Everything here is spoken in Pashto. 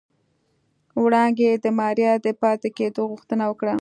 وړانګې د ماريا د پاتې کېدو غوښتنه وکړه.